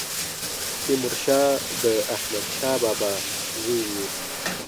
تيمورشاه د احمدشاه بابا زوی و